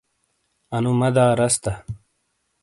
انو مدح رس تا۔